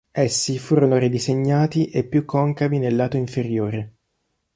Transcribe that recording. Essi furono ridisegnati e più concavi nel lato inferiore.